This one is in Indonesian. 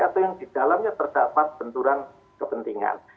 atau yang di dalamnya terdapat benturan kepentingan